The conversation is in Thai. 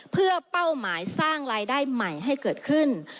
เพื่อเป้าหมายสร้างรายได้ใหม่ให้เกิดขึ้น